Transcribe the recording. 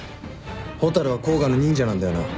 蛍は甲賀の忍者なんだよな？